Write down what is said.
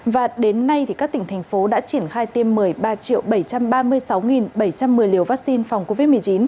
và đến nay các tỉnh thành phố đã triển khai tiêm một mươi ba bảy trăm ba mươi sáu bảy trăm một mươi liều vaccine phòng covid một mươi chín